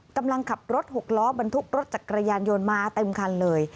กำลังขับรถหกล้อบรรทุกรถจักรยานยนต์มาเต็มคันเลย